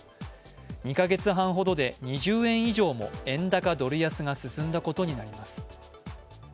２か月半ほどで２０円以上も円高・ドル安が進んだことになります。